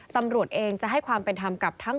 ตำรวจเองจะให้ความเป็นธรรมกับทั้ง